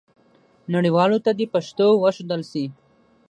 نړیوالو ته دې پښتو وښودل سي.